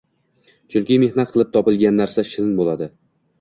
Chunki mehnat qilib topilgan narsa shirin bo’ladi.